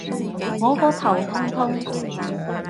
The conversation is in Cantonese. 我個頭痛痛